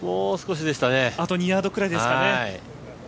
あと２ヤードぐらいですかね。